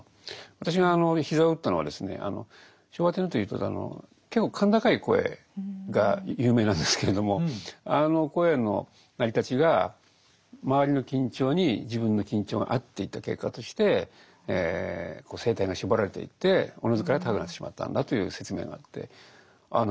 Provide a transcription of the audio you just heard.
私が膝を打ったのはですね昭和天皇というと結構甲高い声が有名なんですけれどもあの声の成り立ちが周りの緊張に自分の緊張が合っていった結果として声帯が絞られていっておのずから高くなってしまったんだという説明があってああ